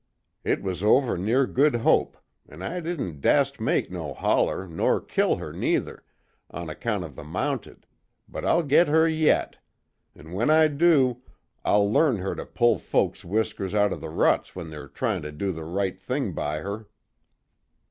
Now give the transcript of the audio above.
It was over near Good Hope, an' I didn't dast to make no holler, nor kill her neither, on account of the Mounted but I'll get her yet. An' when I do, I'll learn her to pull folks whiskers out by the ruts when they're tryin' to do the right thing by her!"